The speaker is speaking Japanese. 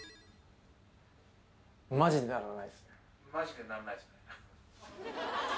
マジで鳴らないですね